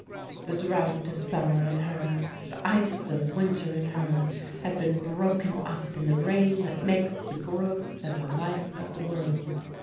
The drought of summer in her, the ice of winter in her had been broken up in the rain that makes the growth and the life of the world.